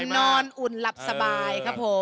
กินอิ่มนอนอุ่นหลับสบาย